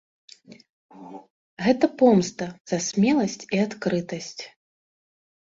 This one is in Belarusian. Гэта помста за смеласьць і адкрытасць.